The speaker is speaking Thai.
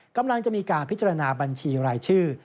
กำลังจะมีการพิจารณาบัญชีรายชื่อ